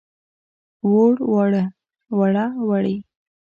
ووړ، واړه، وړه، وړې.